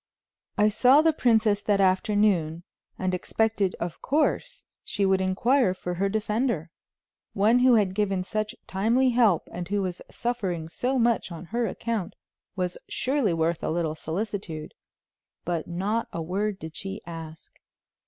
I saw the princess that afternoon, and expected, of course, she would inquire for her defender. One who had given such timely help and who was suffering so much on her account was surely worth a little solicitude; but not a word did she ask.